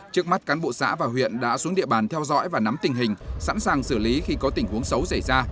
trước mắt cán bộ xã và huyện đã xuống địa bàn theo dõi và nắm tình hình sẵn sàng xử lý khi có tình huống xấu xảy ra